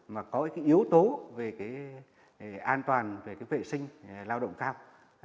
mà có yếu tố về an toàn về vệ sinh lao động cao